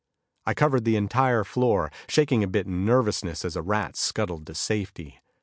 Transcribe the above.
I covered the entire floor, shaking a bit in nervousness as a rat scuttled to safety.